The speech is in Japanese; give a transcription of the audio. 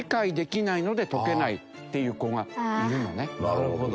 なるほど。